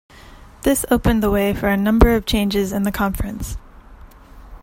This opened the way for a number of changes in the conference.